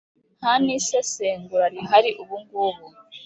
Ntanisesengura rihari ubungubu